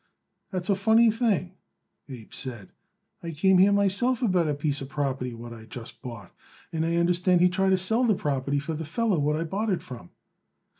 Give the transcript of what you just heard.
"That's a funny thing," Abe said. "I came here myself about a piece of property what I just bought, and I understand he tried to sell the property for the feller what I bought it from."